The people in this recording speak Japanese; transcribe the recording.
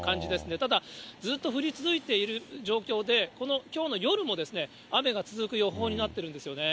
ただ、ずっと降り続いている状況で、この、きょうの夜も雨が続く予報になってるんですよね。